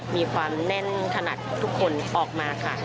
มีความแน่นถนัดทุกคนออกมาค่ะ